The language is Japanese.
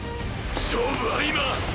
勝負は今！！